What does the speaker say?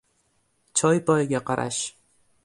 — Choy-poyiga qarash...